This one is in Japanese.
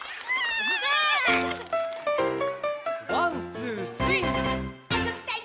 「ワンツースリー」「あそびたい！